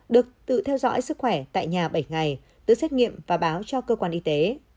được tự theo dõi sức khỏe tại nhà bảy ngày tự xét nghiệm và báo cho cơ quan y tế